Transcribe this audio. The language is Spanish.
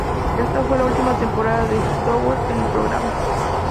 Esta fue la ultima temporada de Hightower en el programa.